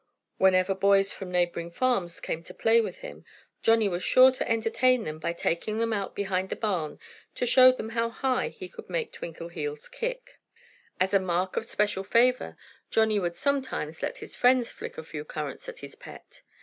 Whenever boys from neighboring farms came to play with him, Johnnie was sure to entertain them by taking them out behind the barn to show them how high he could make Twinkleheels kick. As a mark of special favor, Johnnie would sometimes let his friends flick a few currants at his pet.